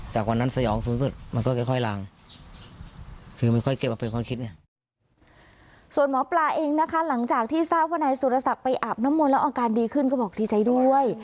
ส่วนหมอปลาเองนะคะหลังจากที่ทราบวันนายสูตรศักดิ์ไปอาบนมนต์แล้วอาการดีขึ้นก็บอกดีใจด้วย